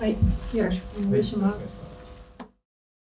よろしくお願いします。